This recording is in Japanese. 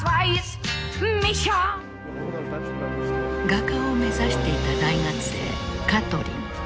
画家を目指していた大学生カトリン。